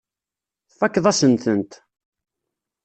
Tfakkeḍ-asen-tent.